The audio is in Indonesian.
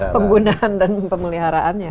penggunaan dan pemeliharaannya